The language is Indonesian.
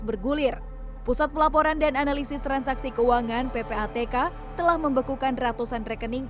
bergulir pusat pelaporan dan analisis transaksi keuangan ppatk telah membekukan ratusan rekening